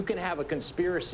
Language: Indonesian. anda bisa memiliki konspirasi